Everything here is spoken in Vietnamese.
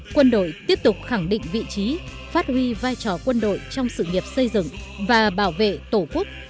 quân đội tiếp tục khẳng định vị trí phát huy vai trò quân đội trong sự nghiệp xây dựng và bảo vệ tổ quốc